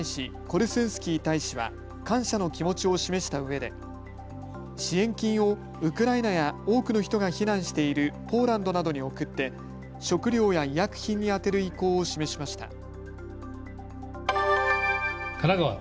これに対しコルスンスキー大使は、感謝の気持ちを示したうえで支援金をウクライナや多くの人が避難しているポーランドなどにおくって食料や医薬品に充てる意向を示しました。